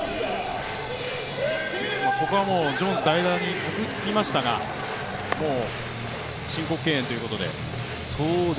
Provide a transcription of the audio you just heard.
ここはジョーンズ代打に送りましたが、もう申告敬遠ということで。